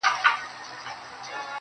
وران خو وراني كيسې نه كوي.